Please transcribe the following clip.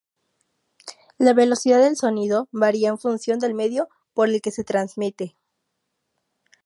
La velocidad del sonido varía en función del medio por el que se transmite.